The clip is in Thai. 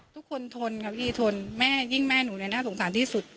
ทุกคนทนครับพี่ยนต์แม่ยิ่งแม่หนูในหน้าสงสารที่สุด